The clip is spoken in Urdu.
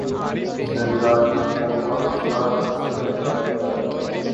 ذرداری گو پاکستان کا صدر بن گیا ہے